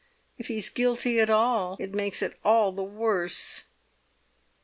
If he's guilty at all, it makes it all the worse."